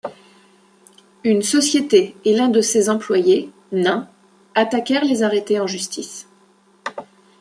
Une société et l'un de ses employés, nain, attaquèrent les arrêtés en justice.